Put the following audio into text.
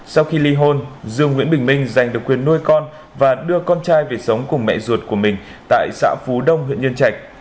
sau khi ly hôn dương nguyễn bình minh giành được quyền nuôi con và đưa con trai về sống cùng mẹ ruột của mình tại xã phú đông huyện nhân trạch